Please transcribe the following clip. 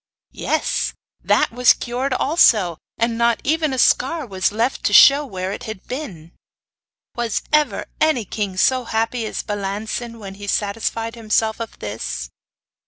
Yes, that was cured also; and not even a scar was left to show where it had been! Was ever any king so happy as Balancin when he satisfied himself of this?